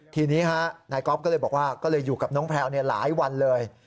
ทีนี้นายก๊อฟก็เลยบอกว่าก็เลยอยู่กับน้องแพลวหลายวันเลย